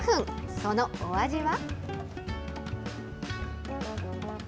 そのお味は。